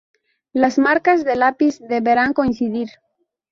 Las marcas de lápiz deberán coincidir.